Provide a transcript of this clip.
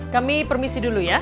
kami permisi dulu ya